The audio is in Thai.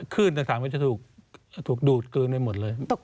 ขึ้นต่างมันจะถูกดูดกลืนไปหมดเลย